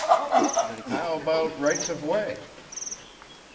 "How about rights of way?"